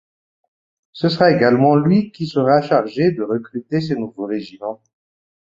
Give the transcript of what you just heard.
Ce sera également lui qui sera chargé de recruter ces nouveaux régiments.